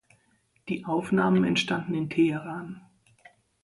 Die Aufnahmen entstanden in Teheran.